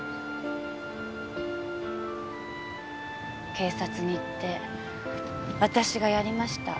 警察に行って「私がやりました。